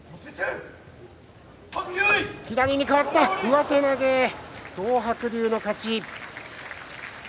上手投げ、東白龍の勝ち。